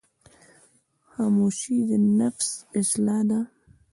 خاموشي، د نفس اصلاح ده.